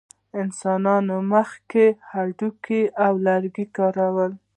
انسانانو مخکې هډوکي او لرګي کارول.